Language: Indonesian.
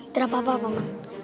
tidak apa apa pak man